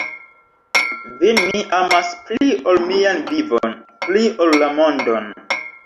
Vin mi amas pli ol mian vivon, pli ol la mondon.